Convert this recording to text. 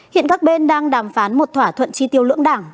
hiện các bên đang đàm phán một thỏa thuận tri tiêu lưỡng đảng